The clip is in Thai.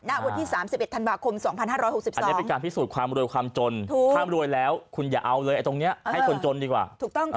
นับวันที่๓๑ทันวาคม๒๕๖๒